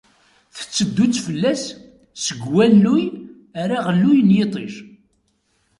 Tetteddu-tt fell-as seg walluy ar aɣelluy n yiṭij.